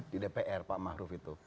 di dpr pak maruf itu